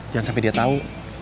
jangan sampai dia tahu